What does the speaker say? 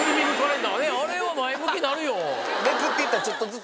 あれは前向きなるよ。